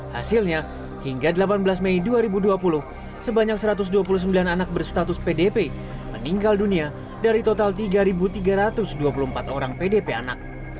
hasilnya hingga delapan belas mei dua ribu dua puluh sebanyak satu ratus dua puluh sembilan anak berstatus pdp meninggal dunia dari total tiga tiga ratus dua puluh empat orang pdp anak